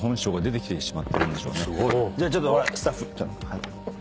じゃあちょっとスタッフ。